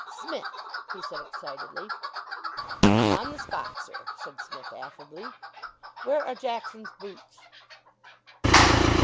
"Smith!" he said excitedly. "On the spot, sir," said Psmith affably. "Where are Jackson's boots?"